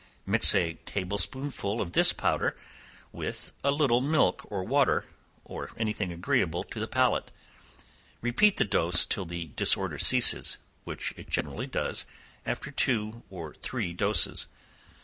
Mix a table spoonful of this powder with a little milk or water, or any thing agreeable to the palate; repeat the dose till the disorder ceases, which it generally does after two or three doses.